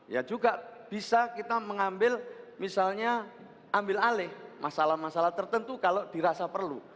ya juga bisa kita mengambil misalnya ambil alih masalah masalah tertentu kalau dirasa perlu